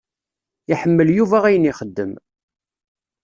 Iḥemmel Yuba ayen ixeddem.